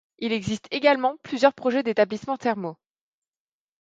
Il existe également plusieurs projets d'établissements thermaux.